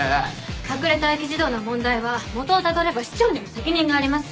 隠れ待機児童の問題は元をたどれば市長にも責任があります。